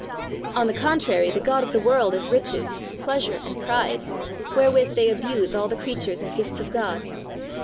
On the contrary, the god of the world is riches, pleasure, and pride, wherewith they abuse all the creatures and gifts of God.